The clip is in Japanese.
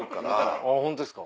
ホントですか？